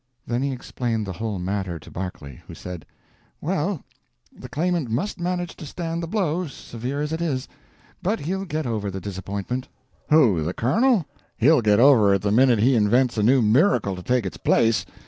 Then he explained the whole matter to Berkeley, who said: "Well, the Claimant must manage to stand the blow, severe as it is. But he'll get over the disappointment." "Who—the colonel? He'll get over it the minute he invents a new miracle to take its place.